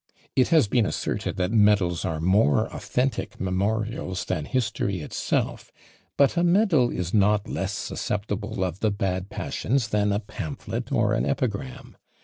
It has been asserted that medals are more authentic memorials than history itself; but a medal is not less susceptible of the bad passions than a pamphlet or an epigram.